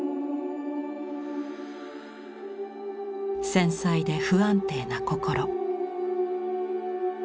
繊細で不安定な心。